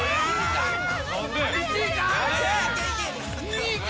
２位か？